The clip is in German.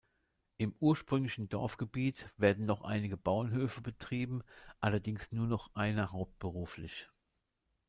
Im ursprünglichen Dorfgebiet werden noch einige Bauernhöfe betrieben, allerdings nur noch einer hauptberuflich.